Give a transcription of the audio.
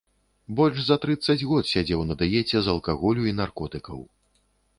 Больш за трыццаць год сядзеў на дыеце з алкаголю і наркотыкаў.